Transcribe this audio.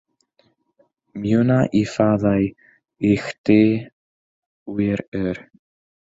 Mi wna i faddau i chdi, wir yr